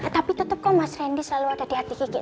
tapi tetap kok mas randy selalu ada di hati kita